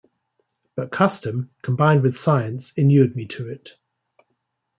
But custom, combined with science inured me to it.